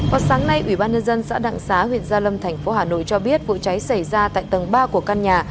vào sáng nay ủy ban nhân dân xã đặng xá huyện gia lâm thành phố hà nội cho biết vụ cháy xảy ra tại tầng ba của căn nhà